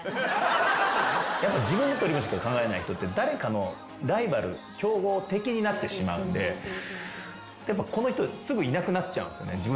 自分の取り分しか考えない人って誰かのライバル競合敵になってしまうんでこの人すぐいなくなっちゃうんすよね。